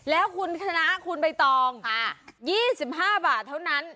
แล้วคุณชนะคุณใบตอง๒๕บาทเท่านั้น